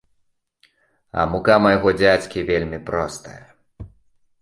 А мука майго дзядзькі вельмі простая.